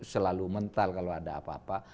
selalu mental kalau ada apa apa